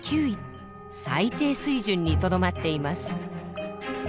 最低水準にとどまっています。